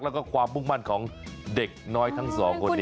แล้วก็ความมุ่งมั่นของเด็กน้อยทั้งสองคนนี้